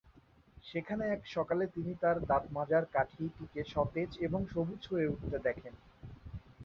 সেখানে এক সকালে তিনি তার দাঁত মাজার কাঠি টিকে সতেজ এবং সবুজ হয়ে উঠতে দেখেন।